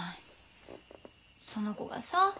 その子がさ